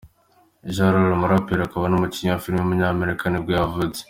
Ja Rule, umuraperi akaba n’umukinnyi wa filime w’umunyamerika nibwo yavutse.